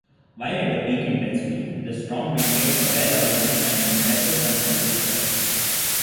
While at peak intensity, the storm maintained a well-organized and "impressive" convective pattern.